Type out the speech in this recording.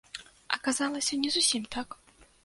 Аказалася, не зусім так.